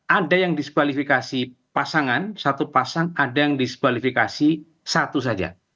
ada yang diskualifikasi pasangan satu pasang ada yang diskualifikasi satu saja